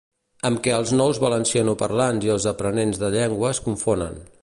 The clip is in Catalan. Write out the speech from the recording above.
Amb què els nous valencianoparlants i els aprenents de llengua es confonen.